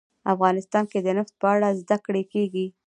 افغانستان کې د نفت په اړه زده کړه کېږي.